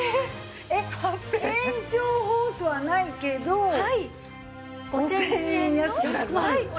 えっ延長ホースはないけど５０００円安くなるの。